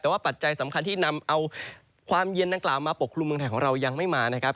แต่ว่าปัจจัยสำคัญที่นำเอาความเย็นดังกล่าวมาปกครุมเมืองไทยของเรายังไม่มานะครับ